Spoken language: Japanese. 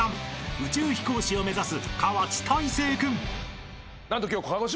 ［宇宙飛行士を目指す河内大晴君］